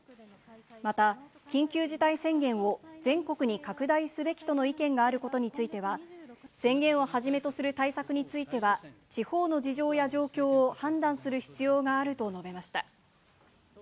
また、緊急事態宣言を全国に拡大すべきとの意見があることについては、宣言をはじめとする対策については、地方の事情や状況を判断する必要があると述べました。